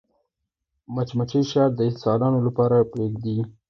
مچمچۍ شات د انسانانو لپاره پرېږدي